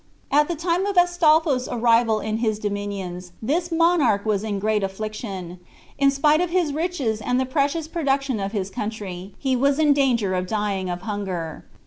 At the time of Astolpho's arrival in his dominions, this monarch was in great affliction. In spite of his riches and the precious productions of his country, he was in danger of dying of hunger.